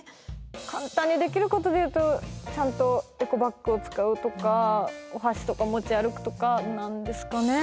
簡単にできることでいうとちゃんとエコバッグを使うとかお箸とか持ち歩くとかなんですかね？